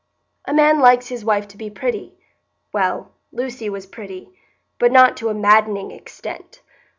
A man likes his wife to be pretty; well, Lucy was pretty, but not to a maddening extent.